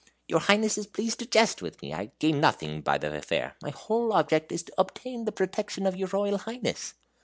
"Your Highness is pleased to jest with me. I gain nothing by the affair. My whole object is to obtain the protection of your Royal Highness."